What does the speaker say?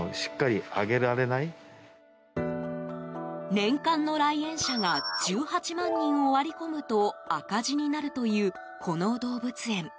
年間の来園者が１８万人を割り込むと赤字になるというこの動物園。